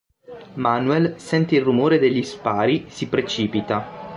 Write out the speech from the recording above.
Manuel sente il rumore degli spari si precipita.